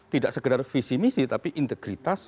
tidak sekedar visi misi tapi integritas